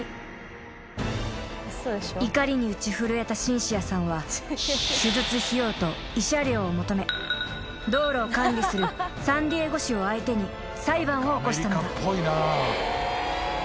［怒りに打ち震えたシンシアさんは手術費用と慰謝料を求め道路を管理するサンディエゴ市を相手に裁判を起こしたのだ］